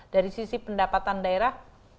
dari sisi pendapatan daerah